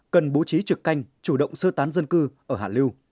cần bố trí trực canh chủ động sơ tán dân cư ở hà lưu